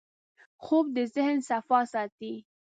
خوب د ذهن صفا ساتي